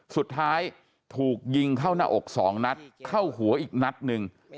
สุดท้ายถูกยิงเข้าหน้าอกสองนัดเข้าหัวอีกนัดหนึ่ง